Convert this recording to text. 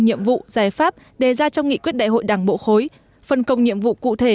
nhiệm vụ giải pháp đề ra trong nghị quyết đại hội đảng bộ khối phân công nhiệm vụ cụ thể